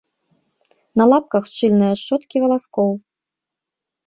На лапках шчыльная шчоткі валаскоў.